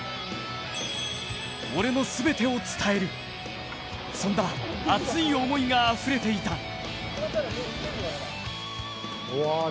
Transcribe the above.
俺の全てを伝える、そんな熱い思いがあふれていた。